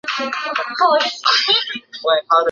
汉中与涪城相差千里。